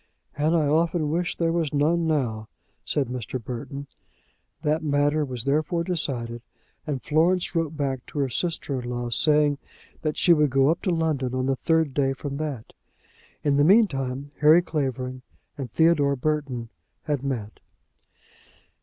"And I often wish there was none now," said Mr. Burton. That matter was therefore decided, and Florence wrote back to her sister in law, saying that she would go up to London on the third day from that. In the meantime, Harry Clavering and Theodore Burton had met.